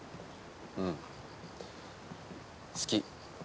うん、好き。